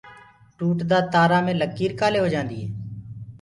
ٽوٽدآ تآرآ مي لڪيٚر ڪآلي هوجآنديٚ هي؟